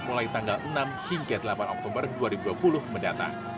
mulai tanggal enam hingga delapan oktober dua ribu dua puluh mendatang